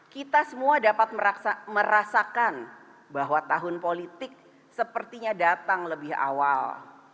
kita semua dapat merasakan bahwa tahun politik sepertinya datang lebih awal